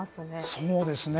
そうですね。